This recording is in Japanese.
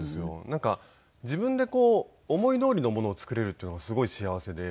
なんか自分でこう思いどおりのものを作れるっていうのがすごい幸せで。